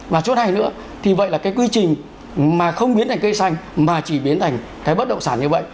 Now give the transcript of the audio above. và chốt hay nữa thì vậy là cái quy trình mà không biến thành cây xanh mà chỉ biến thành cái bất động sản như vậy